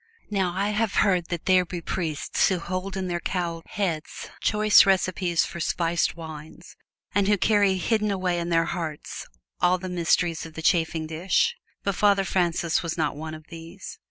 Now, I have heard that there be priests who hold in their cowled heads choice recipes for spiced wines, and who carry hidden away in their hearts all the mysteries of the chafing dish; but Father Francis was not one of these.